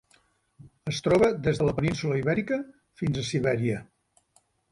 Es troba des de la península Ibèrica fins a Sibèria.